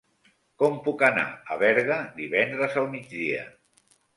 Com puc anar a Berga divendres al migdia?